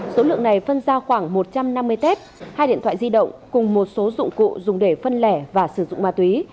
số lượng này phân ra khoảng một trăm năm mươi tép hai điện thoại di động cùng một số dụng cụ dùng để phân lẻ và sử dụng ma túy